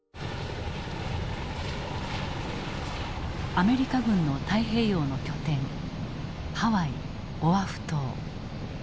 アメリカ軍の太平洋の拠点ハワイ・オアフ島。